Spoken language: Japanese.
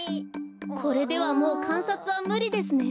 これではもうかんさつはむりですね。